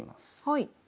はい。